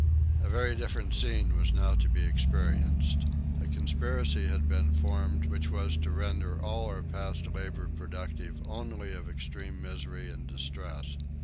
A very different scene was now to be experienced. A conspiracy had been formed which was to render all our past labour productive only of extreme misery and distress.